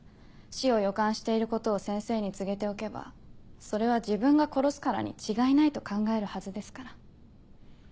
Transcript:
死を予感していることを先生に告げておけばそれは自分が殺すからに違いないと考えるはずですから。